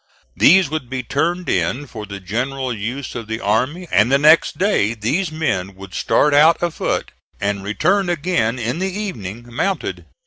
These would be turned in for the general use of the army, and the next day these men would start out afoot and return again in the evening mounted.